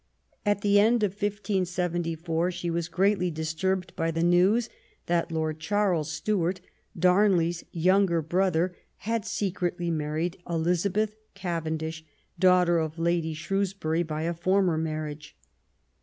At the end of 1574 she was greatly disturbed by the news that Lord Charles Stuart, Darnley's younger brother, had secretly married Elizabeth Cavendish, daughter of Lady Shrewsbury by a former marriage.